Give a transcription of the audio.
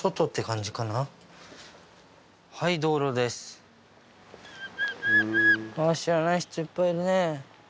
知らない人いっぱいいるね。